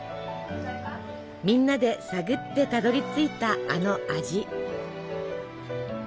みんなで探ってたどりついたあの味。